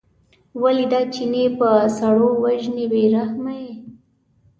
ولې دا چینی په سړو وژنې بې رحمه یې.